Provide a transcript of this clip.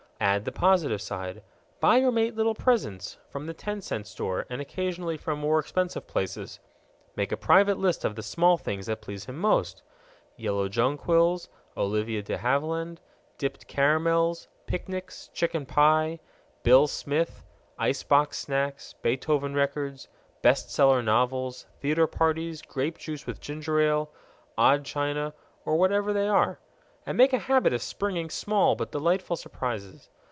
Add the positive side. Buy your mate little presents from the ten cent store and occasionally from more expensive places. Make a private list of the small things that please him most (yellow jonquils, Olivia de Havilland, dipped caramels, picnics, chicken pie, Bill Smith, ice box snacks, Beethoven records, best seller novels, theatre parties, grape juice with ginger ale, odd china, or whatever they are) and make a habit of springing small but delightful surprises.